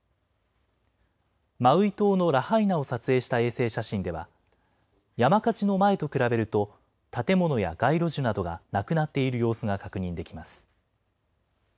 マウイ島のラハイナを撮影した衛星写真では、山火事の前と比べると、建物や街路樹などがなくなっている様子が確認できます。